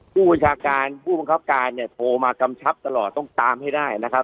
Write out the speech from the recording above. ผู้บัญชาการผู้บังคับการเนี่ยโทรมากำชับตลอดต้องตามให้ได้นะครับ